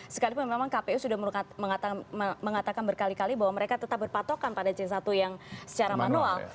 sekalipun memang kpu sudah mengatakan berkali kali bahwa mereka tetap berpatokan pada c satu yang secara manual